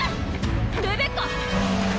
レベッカ！